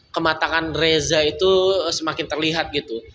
kematangan reza itu semakin terlihat gitu